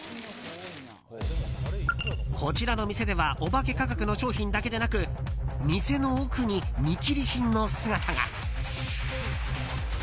こちらの店ではオバケ価格の商品だけでなく店の奥に見切り品の姿が。